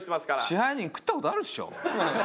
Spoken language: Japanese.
支配人食った事あるでしょ！